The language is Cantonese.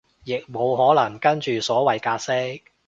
亦無可能跟住所謂格式